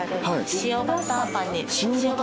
塩バターパン。